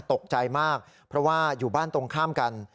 ตกใจมากเพราะว่าอยู่บ้านตรงข้ามกัน